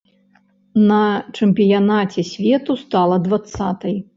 На чэмпіянаце свету стала дваццатай.